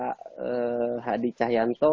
kepada pak adi cahyanto